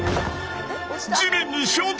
地面に衝突！